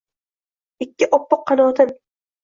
Ikki oppoq qanotin